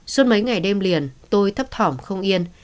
suốt mấy ngày đêm liền tôi thấp thỏm không yên